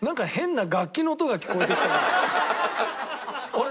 あれ？